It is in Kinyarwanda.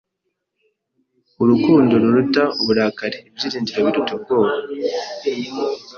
Urukundo ruruta uburakari. Ibyiringiro biruta ubwoba. (WestofEden)